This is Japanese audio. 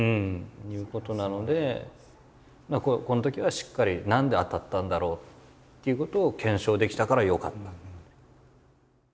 っていうことなのでこのときはしっかり何で当たったんだろうっていうことを検証できたからよかった。